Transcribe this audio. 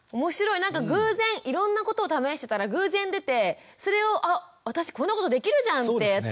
なんか偶然いろんなことを試してたら偶然出てそれをあ私こんなことできるじゃんってやってるっていう。